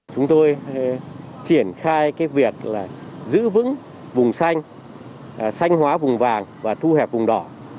chúng tôi triển khai việc giữ vững vùng xanh xanh hóa vùng vàng và thu hẹp vùng đỏ